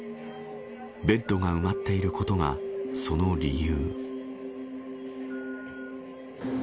ベッドが埋まっていることがその理由。